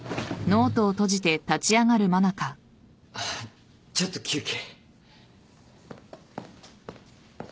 あっちょっと休憩。